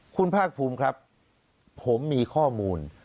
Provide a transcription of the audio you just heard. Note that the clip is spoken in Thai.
คุณภาคภูมิครับผมมีข้อมูล